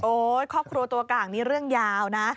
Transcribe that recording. ครอบครัวตัวกลางนี้เรื่องยาวนะ